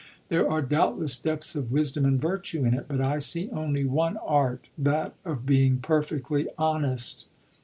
"There are doubtless depths of wisdom and virtue in it. But I see only one art that of being perfectly honest."